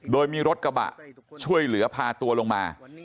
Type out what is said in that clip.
โดยมีรถกระบะช่วยเหลือพาตัวลงมา